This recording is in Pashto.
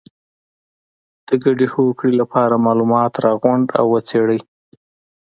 د ګډې هوکړې لپاره معلومات راغونډ او وڅېړئ.